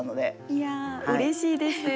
いやうれしいです。